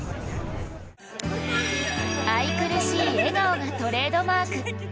愛くるしい笑顔がトレードマーク。